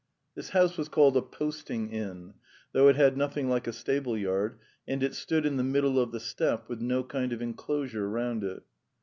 This house was called a posting inn, though it had nothing like a stableyard, and it stood in the middle of the steppe, with no kind of enclosure round it.